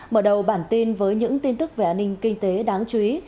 mở đầu bản tin với những tin tức về an ninh kinh tế đáng chú ý